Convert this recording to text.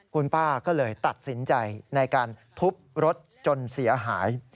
คุณป้าก็เลยตัดสินใจในการทุบรถจนเสียหาย